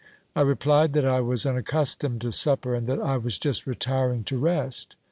I replied that I was un accustomed to supper, and that I was just retiring to rest.